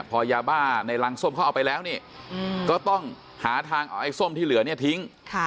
พอยาบ้าในรังส้มเขาเอาไปแล้วนี่ก็ต้องหาทางเอาไอ้ส้มที่เหลือเนี่ยทิ้ง